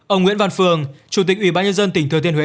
ông nguyễn văn phường chủ tịch ủy ban nhân dân tỉnh thừa thiên huế